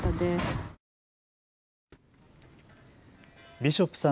ビショップさん